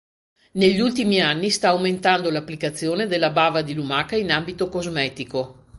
Negli ultimi anni sta aumentando l'applicazione della Bava di lumaca in ambito cosmetico.